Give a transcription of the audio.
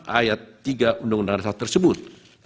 ayat tiga undang undang dasar tersebut